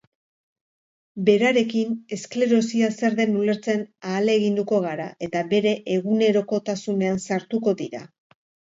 Berarekin esklerosia zer den ulertzen ahaleginduko gara eta bere egunerokotasunean sartuko dira.